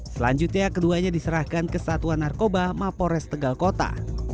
selanjutnya keduanya diserahkan ke satuan narkoba mapores tegal kota